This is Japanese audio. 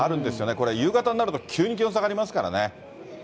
これ、夕方になると、急に気温下がりますからね。